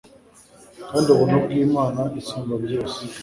kandi ubuntu bw’Imana Isumba byose